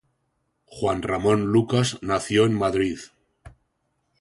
Juan Ramón Lucas nació en Madrid.